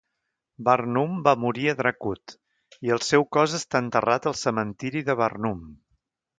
Varnum va morir a Dracut i el seu cos està enterrat al cementiri de Varnum.